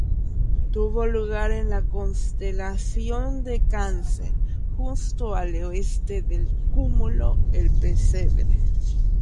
Tuvo lugar en la constelación de Cáncer, justo al oeste del Cúmulo El Pesebre.